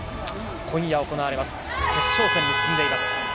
今夜、行われます決勝戦に進んでいます。